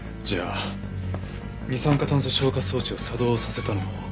じゃあ二酸化炭素消火装置を作動させたのも？